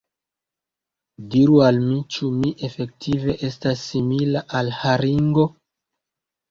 Diru al mi, ĉu mi efektive estas simila al haringo?